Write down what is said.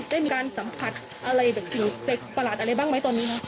ได้มีการสัมผัสอะไรแบบประหลาดอะไรบ้างไหมตอนนี้เนอะ